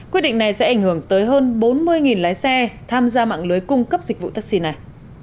quyết định này sẽ ảnh hưởng tới hơn bốn mươi lái xe tham gia mạng lưới cung cấp dịch vụ taxi này